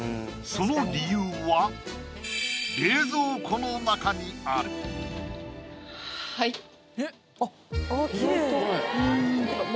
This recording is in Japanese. その理由は冷蔵庫の中にあるはい！